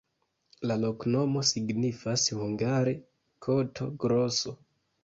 La loknomo signifas hungare koto-groso.